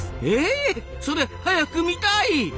えそれ早く見たい！